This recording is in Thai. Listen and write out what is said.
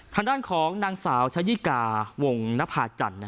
ทางด้านของนางสาวชะยิกาวงนภาจันทร์